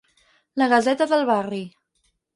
La gaseta del barri.